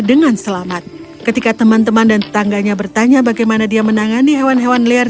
dengan selamat ketika teman teman dan tetangganya bertanya bagaimana dia menangani hewan hewan liar